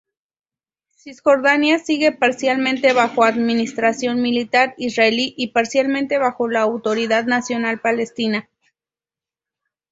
Cisjordania sigue parcialmente bajo administración militar israelí y parcialmente bajo la Autoridad Nacional Palestina.